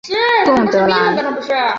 贡德兰。